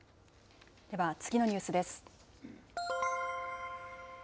では次のニュースです。